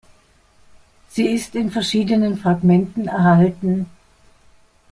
Sie ist in verschiedenen Fragmenten erhalten.